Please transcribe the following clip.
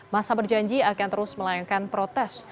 masa berjanji akan terus melayangkan protes